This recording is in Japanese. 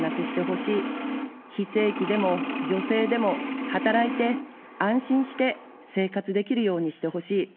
非正規でも女性でも働いて、安心して生活できるようにしてほしい。